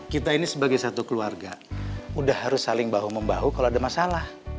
kita ini sebagai satu keluarga udah harus saling bahu membahu kalau ada masalah